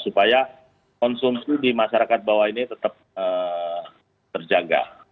supaya konsumsi di masyarakat bawah ini tetap terjaga